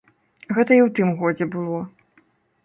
Гэта і ў тым годзе было.